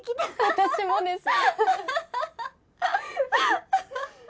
私もです。